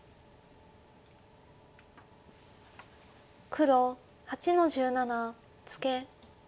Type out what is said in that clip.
黒８の十七ツケ。